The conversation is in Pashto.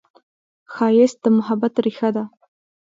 ښایست د محبت ریښه ده